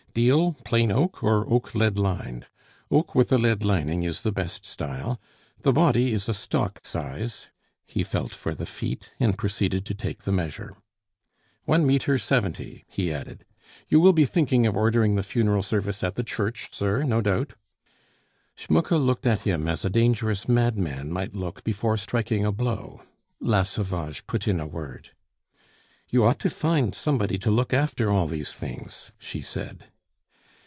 Deal, plain oak, or oak lead lined? Oak with a lead lining is the best style. The body is a stock size," he felt for the feet, and proceeded to take the measure "one metre seventy!" he added. "You will be thinking of ordering the funeral service at the church, sir, no doubt?" Schmucke looked at him as a dangerous madman might look before striking a blow. La Sauvage put in a word. "You ought to find somebody to look after all these things," she said.